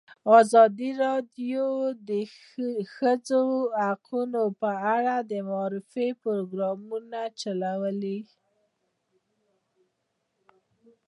ازادي راډیو د د ښځو حقونه په اړه د معارفې پروګرامونه چلولي.